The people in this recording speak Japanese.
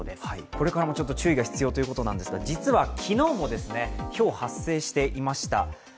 これからも注意が必要ということなんですが実は昨日もひょうが発生していました。